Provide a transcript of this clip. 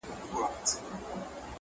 سر مي لوڅ دی پښې مي لوڅي په تن خوار یم٫